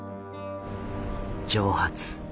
蒸発？